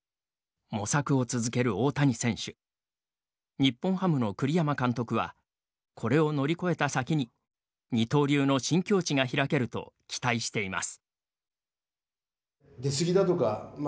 日本ハムの栗山監督はこれを乗り越えた先に二刀流の新境地が開けると期待しています。